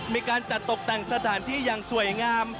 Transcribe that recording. มีการจัดตกแต่งสถานที่อย่างสวยงาม